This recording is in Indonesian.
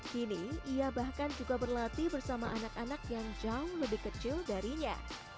kini ia bahkan juga berlatih bersama anak anak yang jauh lebih kecil darinya